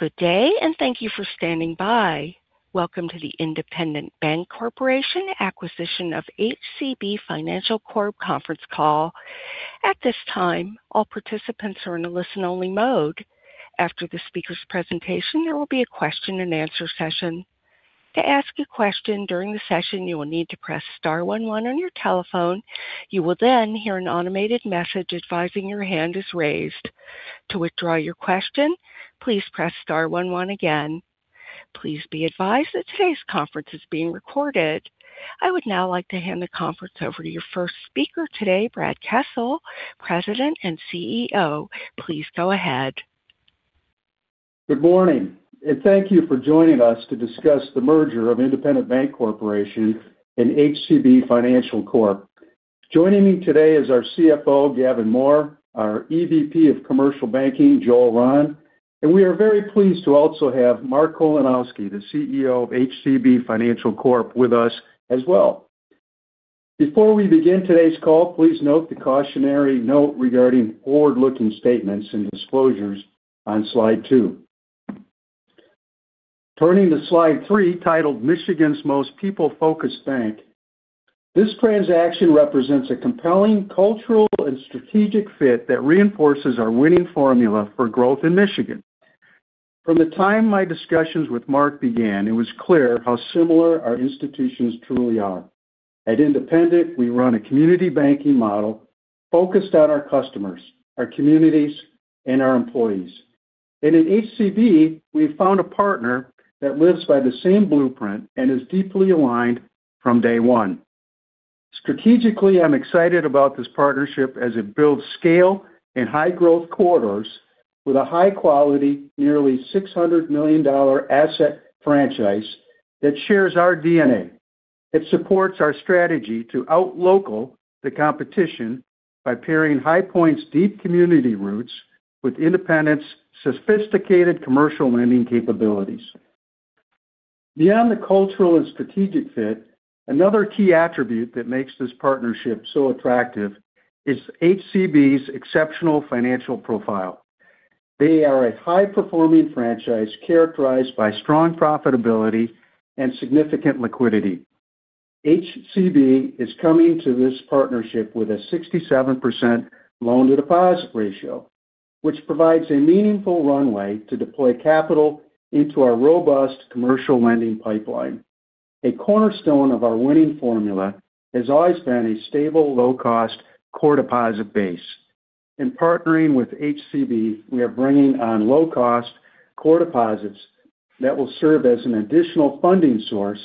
Good day, and thank you for standing by. Welcome to the Independent Bank Corporation acquisition of HCB Financial Corp conference call. At this time, all participants are in a listen-only mode. After the speaker's presentation, there will be a question-and-answer session. To ask a question during the session, you will need to press star one one on your telephone. You will then hear an automated message advising your hand is raised. To withdraw your question, please press star one one again. Please be advised that today's conference is being recorded. I would now like to hand the conference over to your first speaker today, Brad Kessel, President and CEO. Please go ahead. Good morning, and thank you for joining us to discuss the merger of Independent Bank Corporation and HCB Financial Corp. Joining me today is our CFO, Gavin Mohr, our EVP of Commercial Banking, Joel Rahn, and we are very pleased to also have Mark Kolanowski, the CEO of HCB Financial Corp, with us as well. Before we begin today's call, please note the cautionary note regarding forward-looking statements and disclosures on slide two. Turning to slide three, titled Michigan's Most People-Focused Bank. This transaction represents a compelling cultural and strategic fit that reinforces our winning formula for growth in Michigan. From the time my discussions with Mark began, it was clear how similar our institutions truly are. At Independent, we run a community banking model focused on our customers, our communities, and our employees. In HCB, we found a partner that lives by the same blueprint and is deeply aligned from day one. Strategically, I'm excited about this partnership as it builds scale in high-growth corridors with a high-quality, nearly $600 million asset franchise that shares our DNA. It supports our strategy to out-local the competition by pairing Highpoint's deep community roots with Independent's sophisticated commercial lending capabilities. Beyond the cultural and strategic fit, another key attribute that makes this partnership so attractive is HCB's exceptional financial profile. They are a high-performing franchise characterized by strong profitability and significant liquidity. HCB is coming to this partnership with a 67% loan-to-deposit ratio, which provides a meaningful runway to deploy capital into our robust commercial lending pipeline. A cornerstone of our winning formula has always been a stable, low-cost core deposit base. In partnering with HCB, we are bringing on low-cost core deposits that will serve as an additional funding source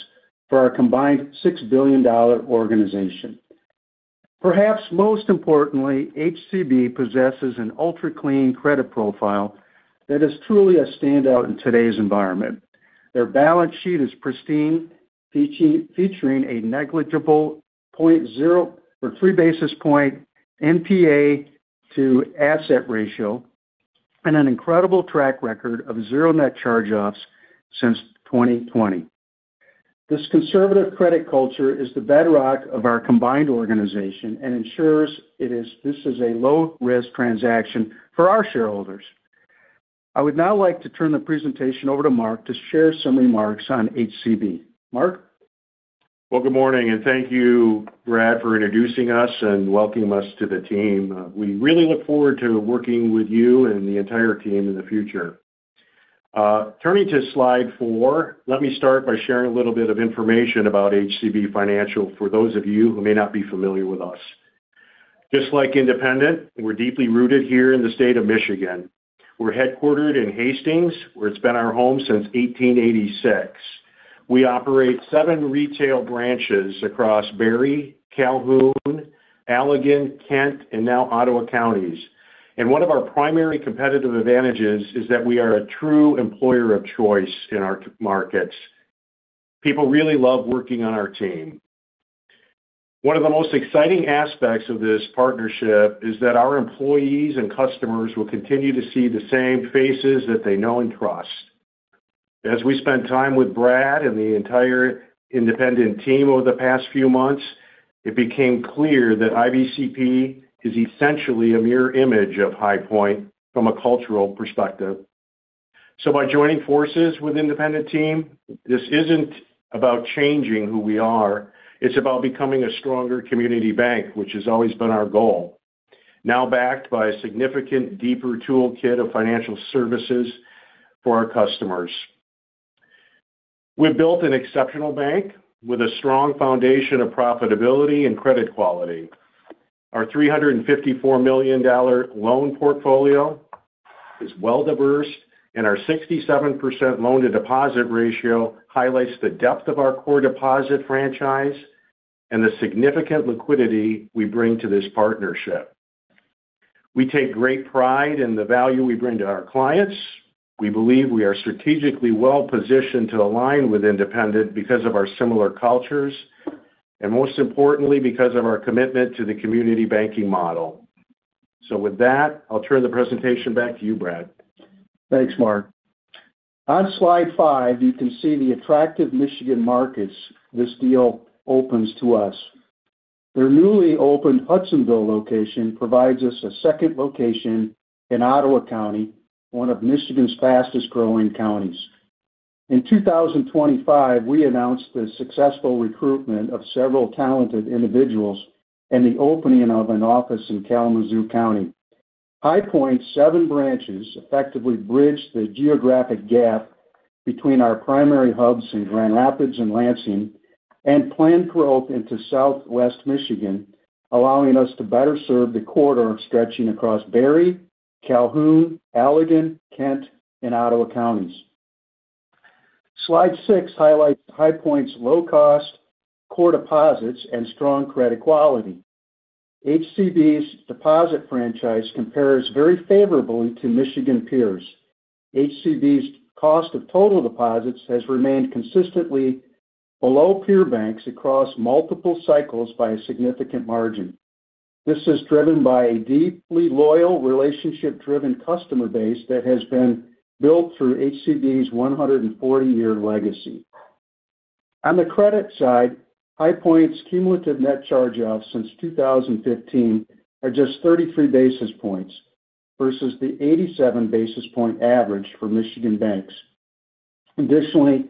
for our combined $6 billion organization. Perhaps most importantly, HCB possesses an ultra-clean credit profile that is truly a standout in today's environment. Their balance sheet is pristine, featuring a negligible 0.03 basis point NPA to asset ratio and an incredible track record of zero net charge-offs since 2020. This conservative credit culture is the bedrock of our combined organization and this is a low-risk transaction for our shareholders. I would now like to turn the presentation over to Mark to share some remarks on HCB. Mark. Well, good morning, and thank you, Brad, for introducing us and welcoming us to the team. We really look forward to working with you and the entire team in the future. Turning to Slide 4, let me start by sharing a little bit of information about HCB Financial for those of you who may not be familiar with us. Just like Independent, we're deeply rooted here in the state of Michigan. We're headquartered in Hastings, where it's been our home since 1886. We operate seven retail branches across Barry, Calhoun, Allegan, Kent, and now Ottawa Counties. One of our primary competitive advantages is that we are a true employer of choice in our markets. People really love working on our team. One of the most exciting aspects of this partnership is that our employees and customers will continue to see the same faces that they know and trust. As we spent time with Brad and the entire Independent team over the past few months, it became clear that IBCP is essentially a mirror image of Highpoint from a cultural perspective. By joining forces with Independent team, this isn't about changing who we are, it's about becoming a stronger community bank, which has always been our goal. Now backed by a significantly deeper toolkit of financial services for our customers. We built an exceptional bank with a strong foundation of profitability and credit quality. Our $354 million loan portfolio is well diversified, and our 67% loan-to-deposit ratio highlights the depth of our core deposit franchise and the significant liquidity we bring to this partnership. We take great pride in the value we bring to our clients. We believe we are strategically well-positioned to align with Independent because of our similar cultures, and most importantly, because of our commitment to the community banking model. With that, I'll turn the presentation back to you, Brad. Thanks, Mark. On Slide 5, you can see the attractive Michigan markets this deal opens to us. Their newly opened Hudsonville location provides us a second location in Ottawa County, one of Michigan's fastest-growing counties. In 2025, we announced the successful recruitment of several talented individuals and the opening of an office in Kalamazoo County. Highpoint's seven branches effectively bridge the geographic gap between our primary hubs in Grand Rapids and Lansing and plan growth into Southwest Michigan, allowing us to better serve the corridor stretching across Barry, Calhoun, Allegan, Kent, and Ottawa counties. Slide 6 highlights Highpoint's low cost, core deposits, and strong credit quality. HCB's deposit franchise compares very favorably to Michigan peers. HCB's cost of total deposits has remained consistently below peer banks across multiple cycles by a significant margin. This is driven by a deeply loyal, relationship-driven customer base that has been built through HCB's 140-year legacy. On the credit side, Highpoint's cumulative net charge-offs since 2015 are just 33 basis points versus the 87 basis point average for Michigan banks. Additionally,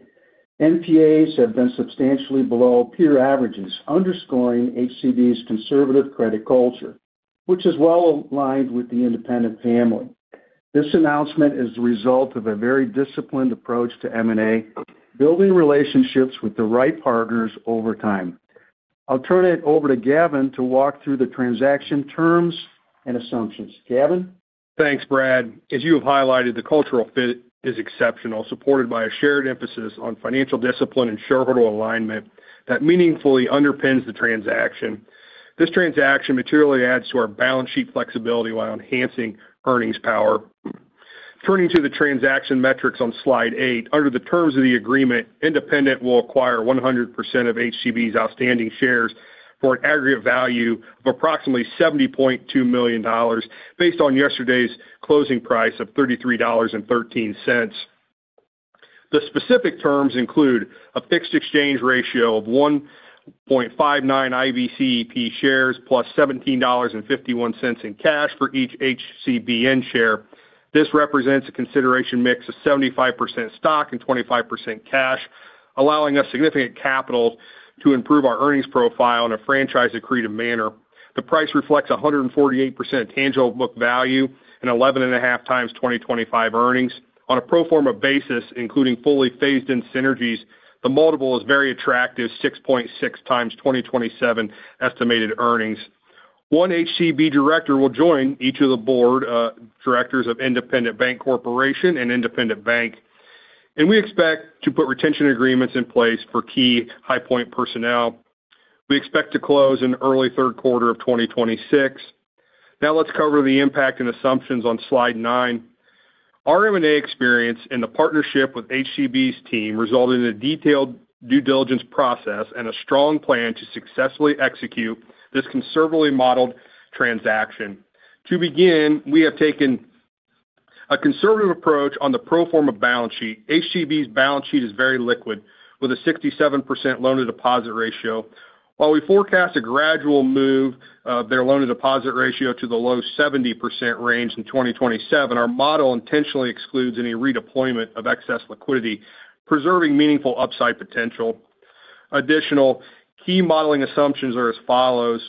NPAs have been substantially below peer averages, underscoring HCB's conservative credit culture, which is well aligned with the Independent family. This announcement is the result of a very disciplined approach to M&A, building relationships with the right partners over time. I'll turn it over to Gavin to walk through the transaction terms and assumptions. Gavin? Thanks, Brad. As you have highlighted, the cultural fit is exceptional, supported by a shared emphasis on financial discipline and shareholder alignment that meaningfully underpins the transaction. This transaction materially adds to our balance sheet flexibility while enhancing earnings power. Turning to the transaction metrics on Slide 8. Under the terms of the agreement, Independent will acquire 100% of HCB's outstanding shares for an aggregate value of approximately $70.2 million, based on yesterday's closing price of $33.13. The specific terms include a fixed exchange ratio of 1.59 IBCP shares plus $17.51 in cash for each HCB common share. This represents a consideration mix of 75% stock and 25% cash, allowing us significant capital to improve our earnings profile in a franchise-accretive manner. The price reflects 148% tangible book value and 11.5x 2025 earnings. On a pro forma basis, including fully phased-in synergies, the multiple is very attractive, 6.6x 2027 estimated earnings. One HCB director will join each of the board directors of Independent Bank Corporation and Independent Bank, and we expect to put retention agreements in place for key Highpoint personnel. We expect to close in early third quarter of 2026. Now let's cover the impact and assumptions on slide nine. Our M&A experience and the partnership with HCB's team result in a detailed due diligence process and a strong plan to successfully execute this conservatively modeled transaction. To begin, we have taken a conservative approach on the pro forma balance sheet. HCB's balance sheet is very liquid, with a 67% loan-to-deposit ratio. While we forecast a gradual move of their loan-to-deposit ratio to the low 70% range in 2027, our model intentionally excludes any redeployment of excess liquidity, preserving meaningful upside potential. Additional key modeling assumptions are as follows.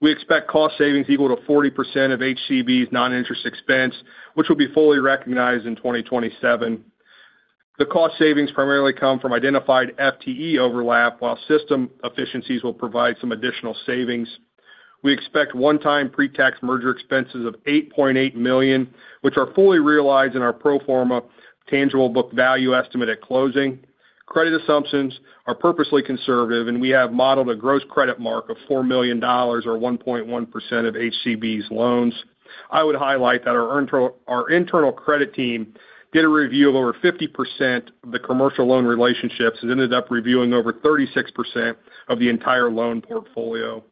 We expect cost savings equal to 40% of HCB's non-interest expense, which will be fully recognized in 2027. The cost savings primarily come from identified FTE overlap, while system efficiencies will provide some additional savings. We expect one-time pre-tax merger expenses of $8.8 million, which are fully realized in our pro forma tangible book value estimate at closing. Credit assumptions are purposely conservative, and we have modeled a gross credit mark of $4 million or 1.1% of HCB's loans. I would highlight that our internal credit team did a review of over 50% of the commercial loan relationships and ended up reviewing over 36% of the entire loan portfolio.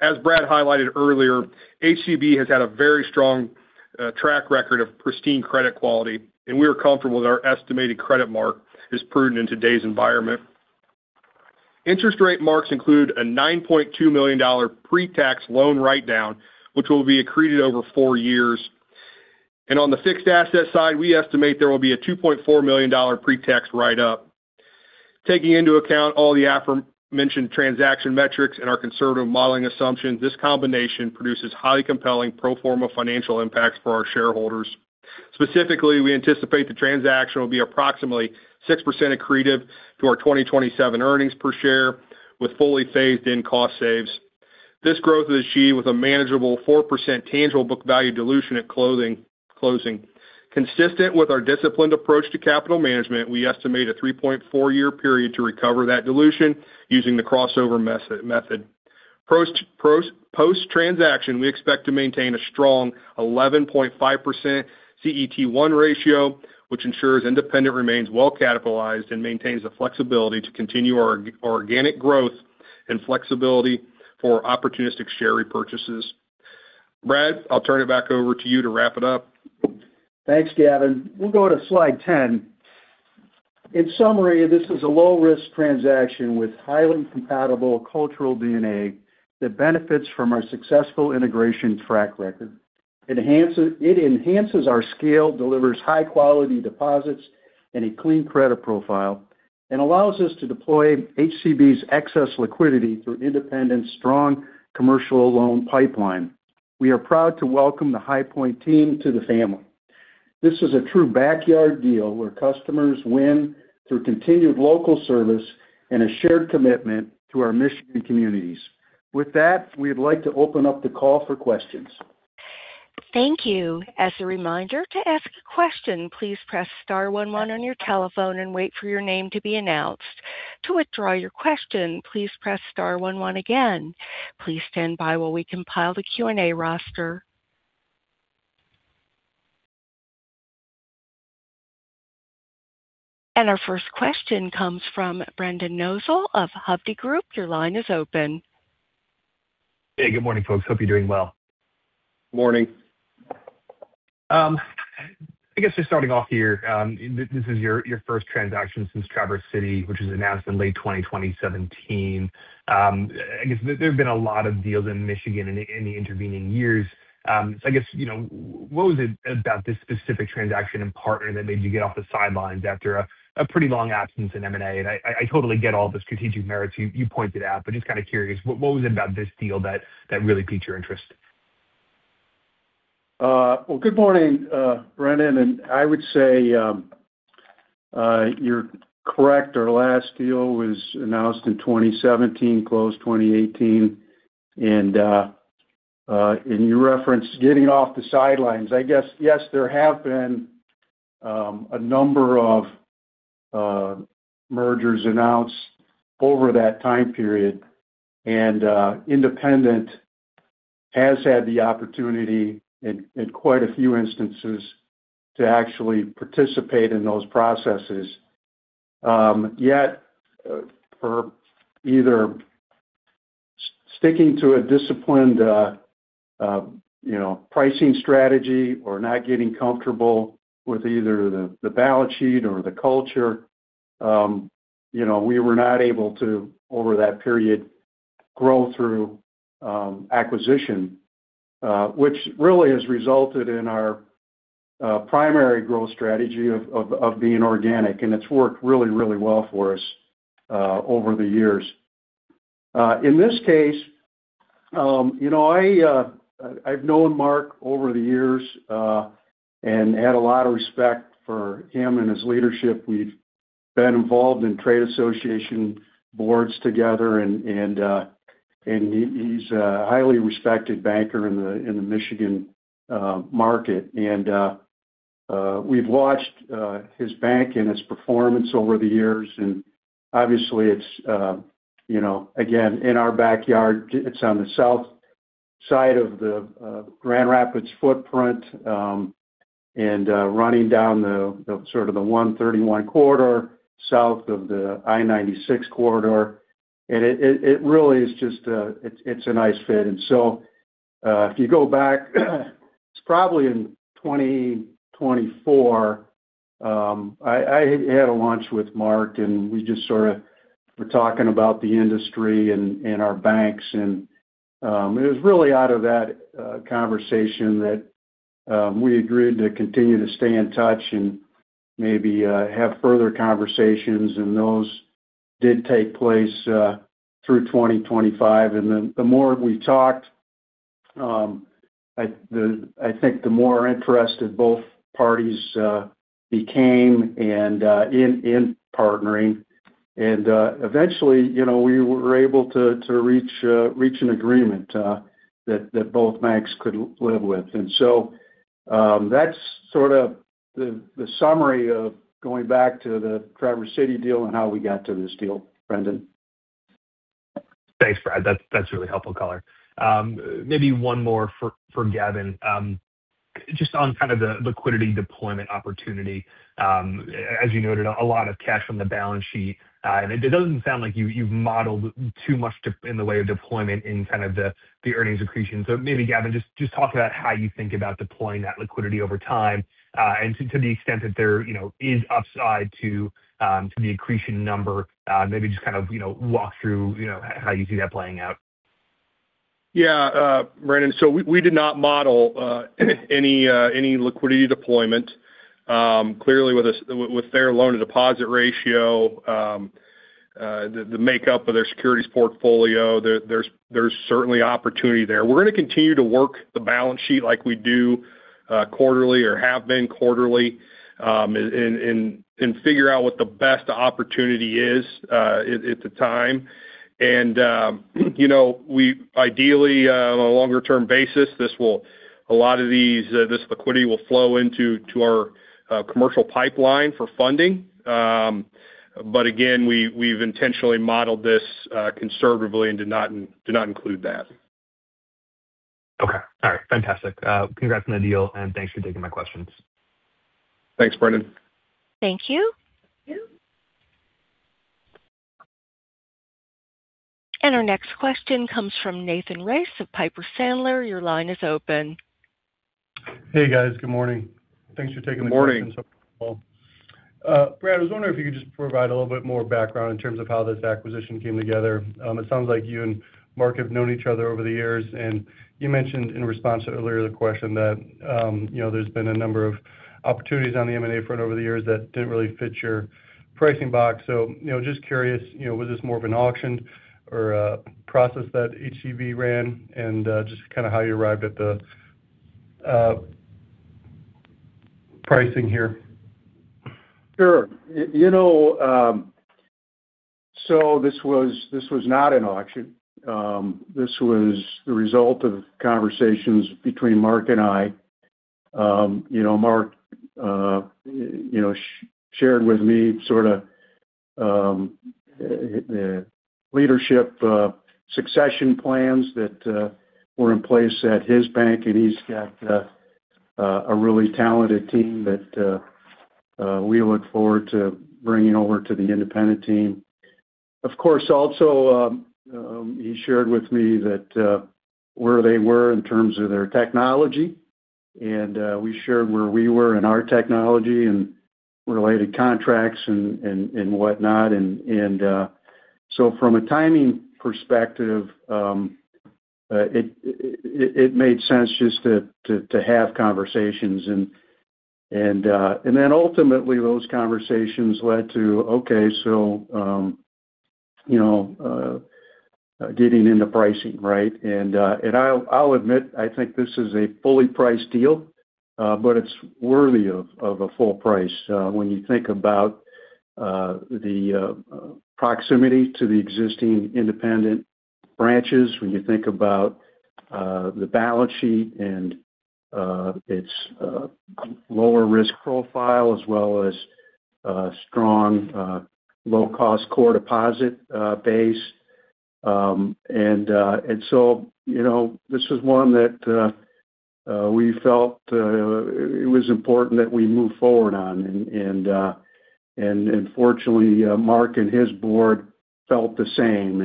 As Brad highlighted earlier, HCB has had a very strong track record of pristine credit quality, and we are comfortable that our estimated credit mark is prudent in today's environment. Interest rate marks include a $9.2 million pre-tax loan write-down, which will be accreted over four years. On the fixed asset side, we estimate there will be a $2.4 million pre-tax write-up. Taking into account all the aforementioned transaction metrics and our conservative modeling assumptions, this combination produces highly compelling pro forma financial impacts for our shareholders. Specifically, we anticipate the transaction will be approximately 6% accretive to our 2027 earnings per share with fully phased-in cost savings. This growth is achieved with a manageable 4% tangible book value dilution at closing. Consistent with our disciplined approach to capital management, we estimate a 3.4-year period to recover that dilution using the crossover method. Post transaction, we expect to maintain a strong 11.5% CET1 ratio, which ensures Independent remains well-capitalized and maintains the flexibility to continue our organic growth and flexibility for opportunistic share repurchases. Brad, I'll turn it back over to you to wrap it up. Thanks, Gavin. We'll go to Slide 10. In summary, this is a low-risk transaction with highly compatible cultural DNA that benefits from our successful integration track record. It enhances our scale, delivers high-quality deposits and a clean credit profile, and allows us to deploy HCB's excess liquidity through Independent's strong commercial loan pipeline. We are proud to welcome the Highpoint team to the family. This is a true backyard deal where customers win through continued local service and a shared commitment to our Michigan communities. With that, we'd like to open up the call for questions. Thank you. As a reminder to ask a question, please press star one one on your telephone and wait for your name to be announced. To withdraw your question, please press star one one again. Please stand by while we compile the Q&A roster. Our first question comes from Brendan Nosal of Hovde Group. Your line is open. Hey, good morning, folks. Hope you're doing well. Morning. I guess just starting off here, this is your first transaction since Traverse City, which was announced in late 2017. I guess there have been a lot of deals in Michigan in the intervening years. I guess, you know, what was it about this specific transaction and partner that made you get off the sidelines after a pretty long absence in M&A? I totally get all the strategic merits you pointed out, but just kind of curious, what was it about this deal that really piqued your interest? Well, good morning, Brendan, and I would say, you're correct. Our last deal was announced in 2017, closed 2018. You referenced getting off the sidelines. I guess, yes, there have been a number of mergers announced over that time period. Independent has had the opportunity in quite a few instances to actually participate in those processes. Yet, for either sticking to a disciplined, you know, pricing strategy or not getting comfortable with either the balance sheet or the culture, you know, we were not able to, over that period, grow through acquisition, which really has resulted in our primary growth strategy of being organic, and it's worked really well for us over the years. In this case, you know, I've known Mark over the years and had a lot of respect for him and his leadership. We've been involved in trade association boards together and he is a highly respected banker in the Michigan market. We've watched his bank and his performance over the years. Obviously, it's you know, again, in our backyard. It's on the south side of the Grand Rapids footprint and running down the sort of the 131 corridor, south of the I-96 corridor. It really is just a nice fit. If you go back, it's probably in 2024, I had a lunch with Mark, and we just sort of were talking about the industry and our banks. It was really out of that conversation that we agreed to continue to stay in touch and maybe have further conversations. Those did take place through 2025. Then the more we talked, I think the more interested both parties became in partnering. Eventually, you know, we were able to reach an agreement that both banks could live with. That's sort of the summary of going back to the Traverse City deal and how we got to this deal, Brendan. Thanks, Brad. That's a really helpful color. Maybe one more for Gavin. Just on kind of the liquidity deployment opportunity. As you noted, a lot of cash on the balance sheet. It doesn't sound like you've modeled too much in the way of deployment in kind of the earnings accretion. Maybe, Gavin, just talk about how you think about deploying that liquidity over time. To the extent that there you know is upside to the accretion number, maybe just kind of you know walk through you know how you see that playing out. Yeah, Brendan. So we did not model any liquidity deployment. Clearly with their loan to deposit ratio, the makeup of their securities portfolio, there's certainly opportunity there. We're gonna continue to work the balance sheet like we do quarterly or have been quarterly, and figure out what the best opportunity is at the time. You know, we ideally on a longer-term basis, a lot of this liquidity will flow into our commercial pipeline for funding. But again, we've intentionally modeled this conservatively and did not include that. Okay. All right. Fantastic. Congrats on the deal, and thanks for taking my questions. Thanks, Brendan. Thank you. Our next question comes from Nathan Race of Piper Sandler. Your line is open. Hey, guys. Good morning. Thanks for taking the questions. Good morning. So far. Brad, I was wondering if you could just provide a little bit more background in terms of how this acquisition came together. It sounds like you and Mark have known each other over the years, and you mentioned in response to earlier the question that, you know, there's been a number of opportunities on the M&A front over the years that didn't really fit your pricing box. You know, just curious, you know, was this more of an auction or a process that HCB ran? Just kinda how you arrived at the pricing here. Sure. You know, this was not an auction. This was the result of conversations between Mark and I. You know, Mark shared with me sorta leadership succession plans that were in place at his bank, and he's got a really talented team that we look forward to bringing over to the Independent team. Of course, also, he shared with me that where they were in terms of their technology, and we shared where we were in our technology and related contracts and whatnot. From a timing perspective, it made sense just to have conversations and. Ultimately those conversations led to, you know, getting into pricing, right? I'll admit, I think this is a fully priced deal, but it's worthy of a full price when you think about the proximity to the existing Independent branches, when you think about the balance sheet and its lower risk profile as well as strong low-cost core deposit base. You know, this is one that we felt it was important that we move forward on. Fortunately, Mark and his board felt the same.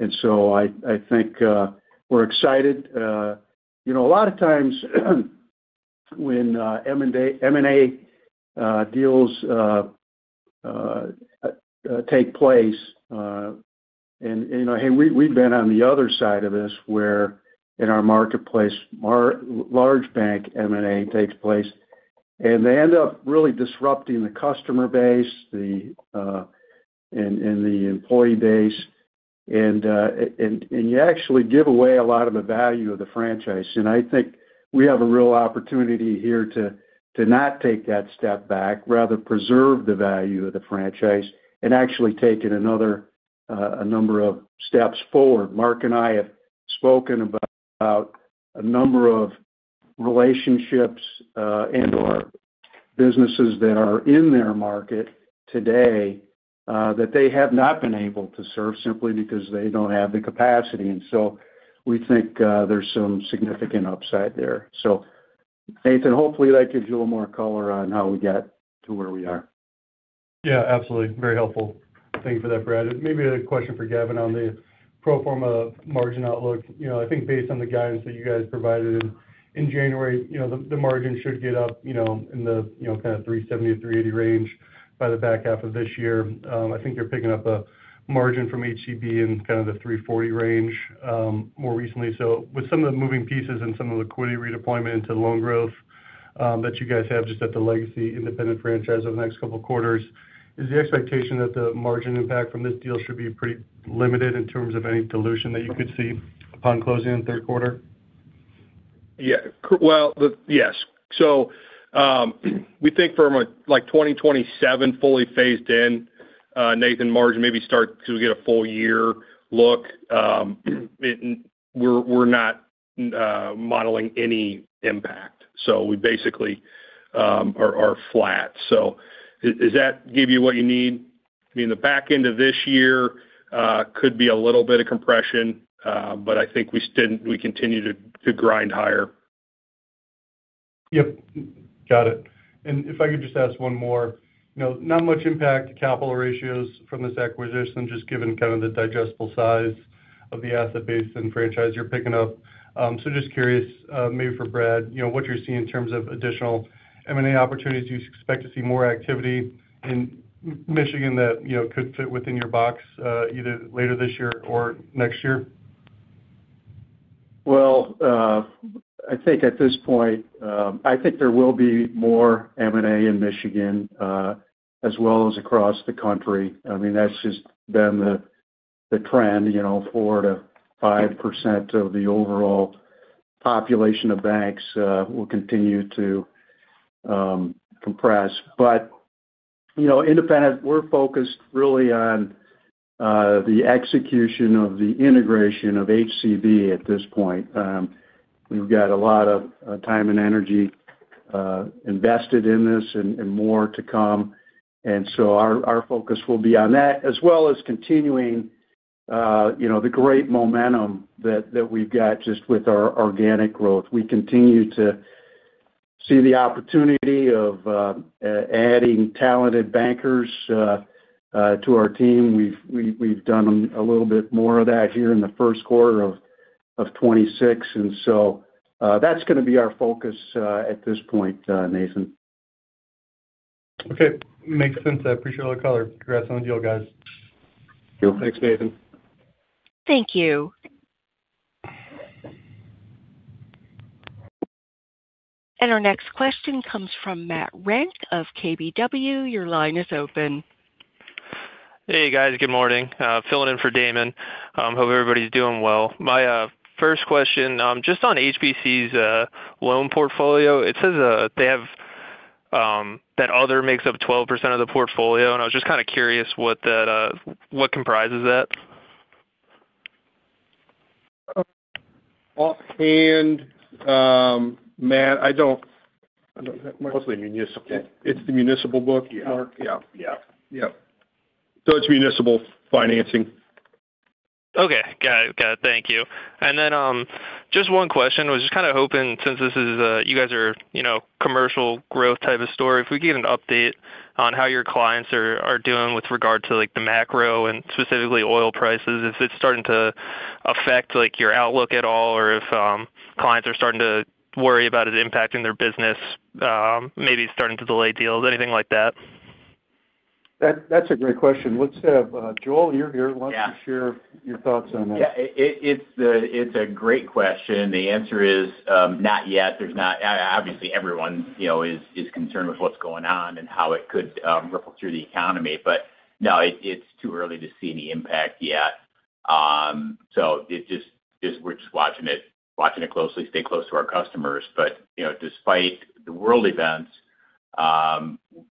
I think we're excited. You know, a lot of times when M&A deals take place. You know, hey, we've been on the other side of this where in our marketplace, large bank M&A takes place, and they end up really disrupting the customer base and the employee base. You actually give away a lot of the value of the franchise. I think we have a real opportunity here to not take that step back, rather preserve the value of the franchise and actually take it another a number of steps forward. Mark and I have spoken about a number of relationships and/or businesses that are in their market today that they have not been able to serve simply because they don't have the capacity. We think there's some significant upside there. Nathan, hopefully that gives you a little more color on how we got to where we are. Yeah, absolutely. Very helpful. Thank you for that, Brad. Maybe a question for Gavin on the pro forma margin outlook. You know, I think based on the guidance that you guys provided in January, you know, the margin should get up, you know, in the, you know, kind of 3.70%-3.80% range by the back half of this year. I think you're picking up a margin from HCB in kind of the 3.40% range, more recently. With some of the moving pieces and some of the liquidity redeployment into loan growth, that you guys have just at the legacy Independent franchise over the next couple of quarters, is the expectation that the margin impact from this deal should be pretty limited in terms of any dilution that you could see upon closing in the third quarter? Yeah. Well, yes. We think from a, like, 2027 fully phased in, net margin maybe start to get a full year look, it—we're not modeling any impact. We basically are flat. Is that give you what you need? I mean, the back end of this year could be a little bit of compression, but I think we still—we continue to grind higher. Yep, got it. If I could just ask one more. You know, not much impact to capital ratios from this acquisition, just given kind of the digestible size of the asset base and franchise you're picking up. So just curious, maybe for Brad, you know, what you're seeing in terms of additional M&A opportunities. Do you expect to see more activity in Michigan that, you know, could fit within your box, either later this year or next year? Well, I think at this point there will be more M&A in Michigan, as well as across the country. I mean, that's just been the trend. You know, 4%-5% of the overall population of banks will continue to compress. You know, Independent, we're focused really on the execution of the integration of HCB at this point. We've got a lot of time and energy invested in this and more to come. Our focus will be on that as well as continuing, you know, the great momentum that we've got just with our organic growth. We continue to see the opportunity to add talented bankers to our team. We've done a little bit more of that here in the first quarter of 2026. That's gonna be our focus at this point, Nathan. Okay. Makes sense. I appreciate all the color. Congrats on the deal, guys. Sure. Thanks, Nathan. Thank you. Our next question comes from Matt Renk of KBW. Your line is open. Hey, guys. Good morning. Filling in for Damon. Hope everybody's doing well. My first question, just on HCB's loan portfolio. It says they have the other makes up 12% of the portfolio, and I was just kinda curious what comprises that. Offhand, Matt, I don't have much. Mostly municipal. It's the municipal book. Yeah. Mark? Yeah. Yeah. Yeah. It's municipal financing. Okay. Got it. Thank you. Then, just one question. Was just kinda hoping since this is you guys are, you know, commercial growth type of story. If we can get an update on how your clients are doing with regard to, like, the macro and specifically oil prices. If it's starting to affect, like, your outlook at all or if clients are starting to worry about it impacting their business, maybe starting to delay deals, anything like that. That's a great question. Let's have Joel, you're here. Yeah. Why don't you share your thoughts on that? Yeah. It's a great question. The answer is not yet. Obviously, everyone, you know, is concerned with what's going on and how it could ripple through the economy. No, it's too early to see any impact yet. We're just watching it closely, stay close to our customers. You know, despite the world events,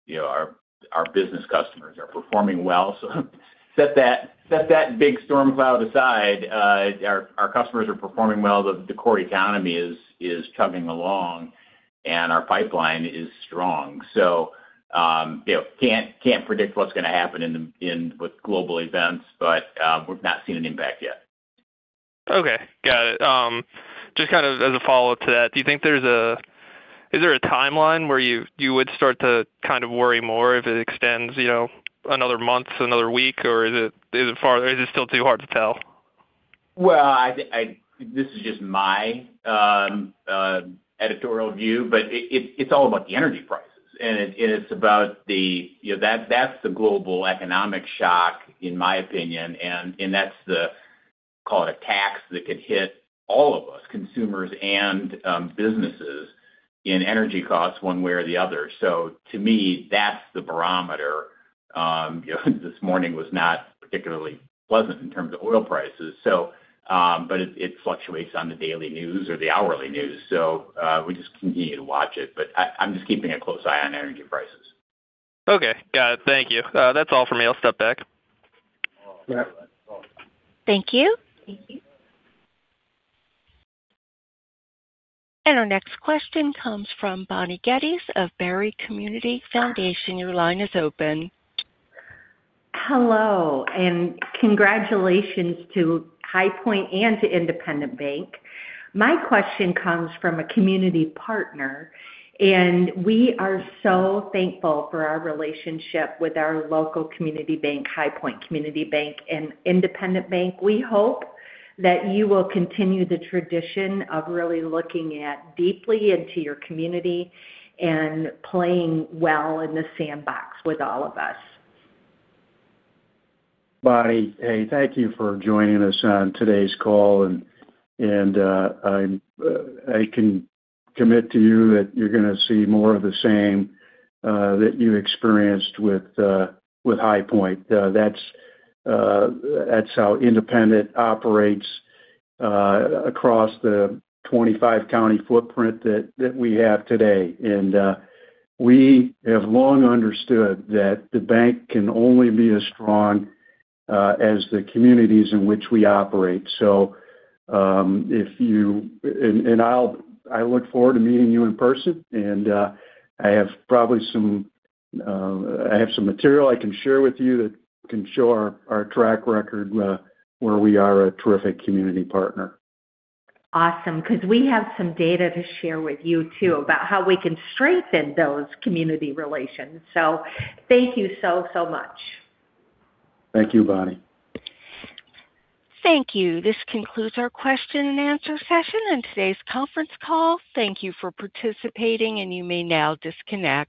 you know, our business customers are performing well. Set that big storm cloud aside, our customers are performing well. The core economy is chugging along, and our pipeline is strong. You know, can't predict what's gonna happen with global events, but we've not seen an impact yet. Okay. Got it. Just kind of as a follow-up to that, do you think there's a timeline where you would start to kind of worry more if it extends, you know, another month, another week, or is it far? Is it still too hard to tell? This is just my editorial view, but it's all about the energy prices, and it's about the, you know, that's the global economic shock, in my opinion, and that's the, call it a tax that could hit all of us, consumers and businesses in energy costs one way or the other. To me, that's the barometer. You know, this morning was not particularly pleasant in terms of oil prices. But it fluctuates on the daily news or the hourly news. We just continue to watch it, but I'm just keeping a close eye on energy prices. Okay. Got it. Thank you. That's all for me. I'll step back. All right. Thank you. Our next question comes from Bonnie Gettys of Barry Community Foundation. Your line is open. Hello, and congratulations to Highpoint and to Independent Bank. My question comes from a community partner, and we are so thankful for our relationship with our local community bank, Highpoint Community Bank and Independent Bank. We hope that you will continue the tradition of really looking deeply into your community and playing well in the sandbox with all of us. Bonnie, hey, thank you for joining us on today's call. I can commit to you that you're gonna see more of the same that you experienced with Highpoint. That's how Independent operates across the 25-county footprint that we have today. We have long understood that the bank can only be as strong as the communities in which we operate. I look forward to meeting you in person. I have some material I can share with you that can show our track record where we are a terrific community partner. Awesome. Cause we have some data to share with you too about how we can strengthen those community relations. Thank you so much. Thank you, Bonnie. Thank you. This concludes our question and answer session and today's conference call. Thank you for participating, and you may now disconnect.